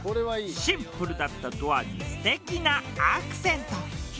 シンプルだったドアにすてきなアクセント。